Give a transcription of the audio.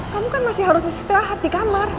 kamu kan masih harus istirahat di kamar